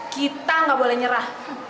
kita gak boleh nyerah